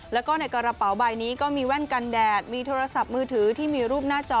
แล้วก็ในกระเป๋าใบนี้ก็มีแว่นกันแดดมีโทรศัพท์มือถือที่มีรูปหน้าจอ